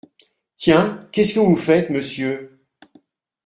Tiens ! qu’est-ce que vous faites, monsieur ?…